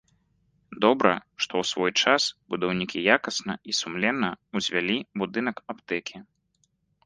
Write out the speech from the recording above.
Добра, што ў свой час будаўнікі якасна і сумленна ўзвялі будынак аптэкі.